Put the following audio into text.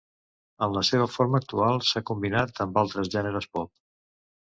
En la seva forma actual, s'ha combinat amb altres gèneres pop.